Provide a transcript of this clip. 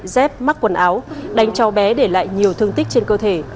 dép mắc quần áo đánh cháu bé để lại nhiều thương tích trên cơ thể